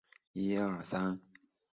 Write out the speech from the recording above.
由于故事与电视版多所不同。